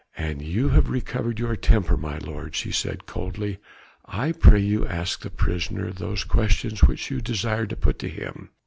"An you have recovered your temper, my lord," she said coldly, "I pray you ask the prisoner those questions which you desired to put to him.